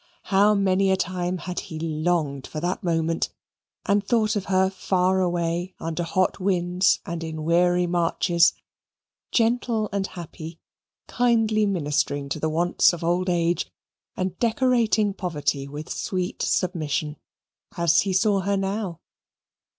How many a time had he longed for that moment and thought of her far away under hot winds and in weary marches, gentle and happy, kindly ministering to the wants of old age, and decorating poverty with sweet submission as he saw her now.